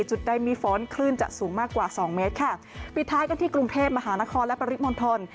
จุดได้มีฝนคลื่นจะสูงมากกว่า๒เมตรปีท้ายก็ที่กรุงเทพฯมหานครและปริมทร